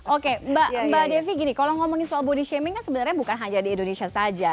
oke mbak devi gini kalau ngomongin soal body shaming kan sebenarnya bukan hanya di indonesia saja